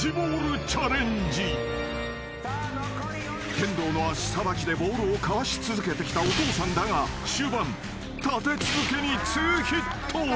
［剣道の足さばきでボールをかわし続けてきたお父さんだが終盤立て続けにツーヒット］